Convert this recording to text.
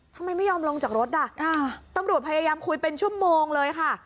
ทำไมไม่ยอมลงจากรถอ่ะตำรวจพยายามคุยเป็นชั่วโมงเลยค่ะ